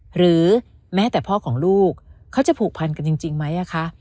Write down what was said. หรือแม้แต่พ่อของลูกเขาจะผูกพันกันจริงไหมคะ